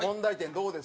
どうですか？